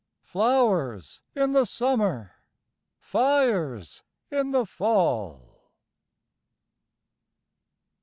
Flowers in the summer, Fires in the fall!